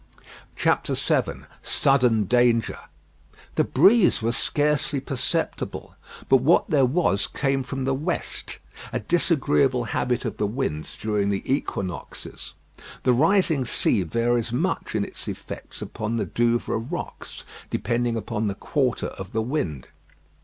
VII SUDDEN DANGER The breeze was scarcely perceptible; but what there was came from the west. A disagreeable habit of the winds during the equinoxes. The rising sea varies much in its effects upon the Douvres rocks, depending upon the quarter of the wind.